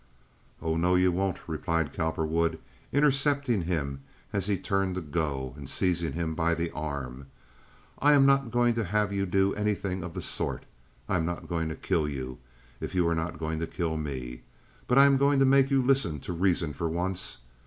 "Oh, no you won't," replied Cowperwood, intercepting him as he turned to go and seizing him firmly by the arm. "I am not going to have you do anything of the sort. I am not going to kill you if you are not going to kill me; but I am going to make you listen to reason for once.